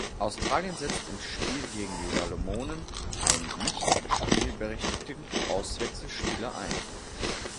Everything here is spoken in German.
Australien setzte im Spiel gegen die Salomonen einen nicht spielberechtigten Auswechselspieler ein.